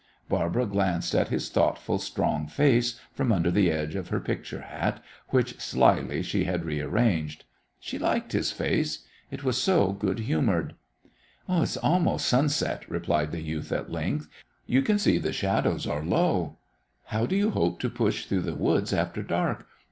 Barbara glanced at his thoughtful, strong face from under the edge of her picture hat, which slyly she had rearranged. She liked his face. It was so good humoured. "It is almost sunset," replied the youth at length. "You can see the shadows are low. How do you hope to push through the woods after dark?